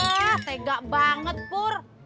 wah tega banget pur